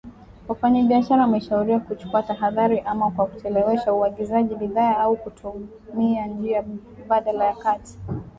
Wafanyabiashara wameshauriwa kuchukua tahadhari, ama kwa kuchelewesha uagizaji bidhaa au kutumia njia mbadala ya kati.